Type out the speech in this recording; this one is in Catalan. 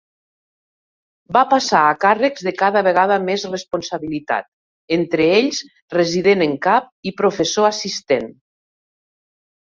Va passar a càrrecs de cada vegada més responsabilitat, entre ells resident en cap i professor assistent.